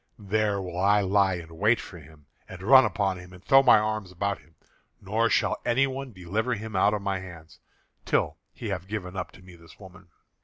There will I lie in wait for him, and run upon him, and throw my arms about him, nor shall anyone deliver him out of my hands, till he have given up to me this woman.